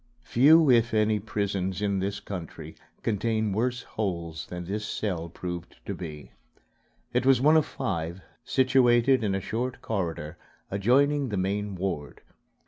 Few, if any, prisons in this country contain worse holes than this cell proved to be. It was one of five, situated in a short corridor adjoining the main ward.